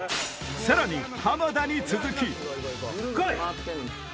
さらに浜田に続き来い！